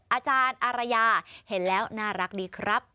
อาจารย์อารยาเห็นแล้วน่ารักดีครับ